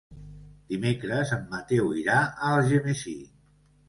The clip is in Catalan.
Dimecres en Mateu irà a Algemesí.